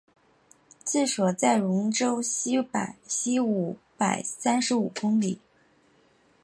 治所在戎州西五百三十五里。